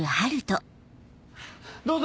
どうぞ。